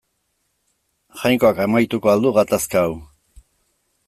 Jainkoak amaituko al du gatazka hau.